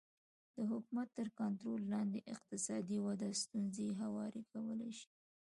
د حکومت تر کنټرول لاندې اقتصادي وده ستونزې هوارې کولی شي